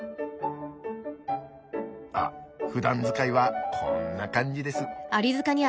あっふだん使いはこんな感じです。